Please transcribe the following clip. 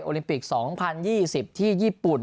ลิมปิก๒๐๒๐ที่ญี่ปุ่น